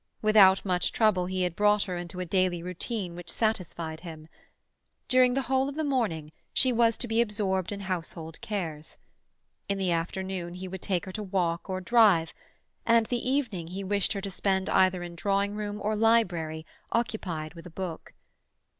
Without much trouble he had brought her into a daily routine which satisfied him. During the whole of the morning she was to be absorbed in household cares. In the afternoon he would take her to walk or drive, and the evening he wished her to spend either in drawing room or library, occupied with a book.